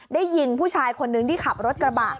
ยิงผู้ชายคนนึงที่ขับรถกระบะ